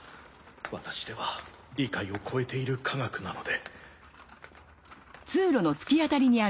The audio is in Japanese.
私では理解を超えている科学なので。